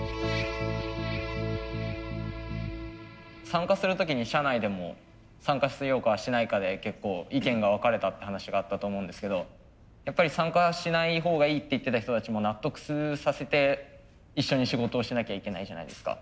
参加する時に社内でも参加しようかしないかで結構意見が分かれたって話があったと思うんですけどやっぱり参加しないほうがいいって言ってた人たちも納得させて一緒に仕事をしなきゃいけないじゃないですか。